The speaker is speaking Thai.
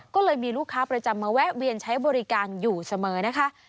ก็เลยมีลูกค้าประจำมาแวะเวียนใช้บริการอยู่เสมอนะคะ